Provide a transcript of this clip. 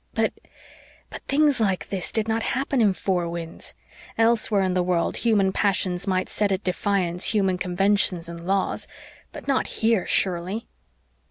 But but things like this did not happen in Four Winds. Elsewhere in the world human passions might set at defiance human conventions and laws but not HERE, surely.